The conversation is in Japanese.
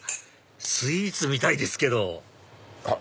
スイーツみたいですけどあっ！